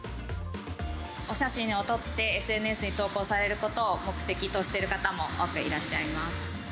お写真を撮って、ＳＮＳに投稿されることを目的としてる方も多くいらっしゃいます。